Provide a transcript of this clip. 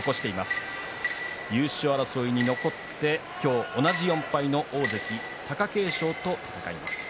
大栄翔は優勝争い残って同じ４敗の大関貴景勝と戦います。